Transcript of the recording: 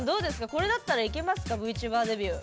これだったらいけますかＶＴｕｂｅｒデビュー。